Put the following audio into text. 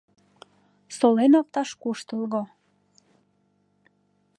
Солен опташ куштылго.